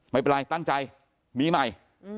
ไม่เป็นไรตั้งใจมีใหม่